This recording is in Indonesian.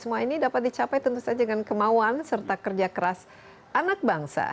semua ini dapat dicapai tentu saja dengan kemauan serta kerja keras anak bangsa